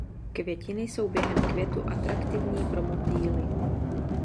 Květiny jsou během květu atraktivní pro motýly.